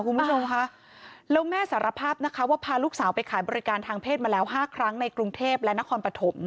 คุณผู้ชมค่ะแล้วแม่สารภาพนะคะว่าพาลูกสาวไปขายบริการทางเพศมาแล้ว๕ครั้งในกรุงเทพและนครปฐม